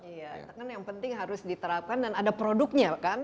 iya itu kan yang penting harus diterapkan dan ada produknya kan